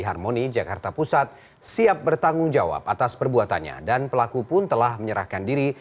harmoni jakarta pusat siap bertanggung jawab atas perbuatannya dan pelaku pun telah menyerahkan diri